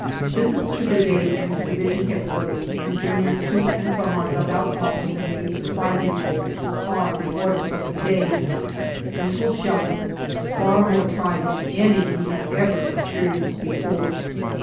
Visits to Brigade and to D.H.Q. and journeys to and from our dugout office and Main Supply depot are the order of the day. Usual shelling, far more trying than any we have ever experienced before.